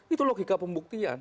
itu logika pembuktian